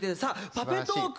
「パペトーーク」